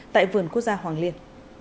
tại vườn quốc gia hoàng liên